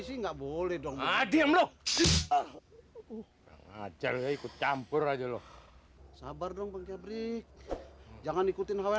sih enggak boleh dong ah diam loh ah ajar ikut campur aja loh sabar dong tapi jangan ikutin hawa